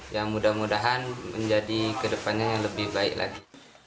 ya mudah mudahan menjadi ke depannya yang lebih baik lagi